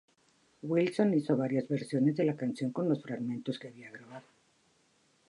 Wilson hizo varias versiones de la canción con los fragmentos que había grabado.